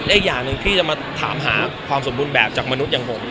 อีกอย่างหนึ่งที่จะมาถามหาความสมบูรณ์แบบจากมนุษย์อย่างผม